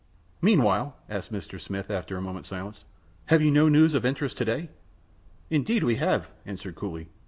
"Meanwhile," asked Mr. Smith, after a moment's silence, "have you no news of interest to day?" "Indeed we have," answered Cooley.